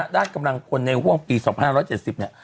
ด้านกำลังพลในห่วงปี๒๕๗๐เนี่ย